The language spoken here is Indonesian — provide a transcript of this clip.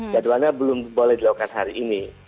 jadwalnya belum boleh dilakukan hari ini